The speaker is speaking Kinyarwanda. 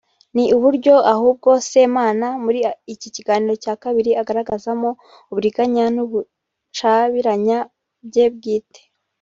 ni uburyo ahubwo Semana muri iki kiganiro cya kabiri agaragazamo uburiganya n’ubucabiranya bye bwite